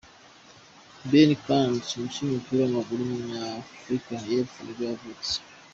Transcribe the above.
Benni McCarthy, umukinnyi w’umupira w’amaguru w’umunyafurika y’epfo nibwo yavutse.